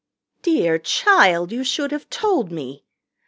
"Dear child, you should have told me.